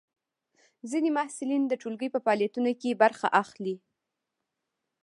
ځینې محصلین د ټولګي په فعالیتونو کې برخه اخلي.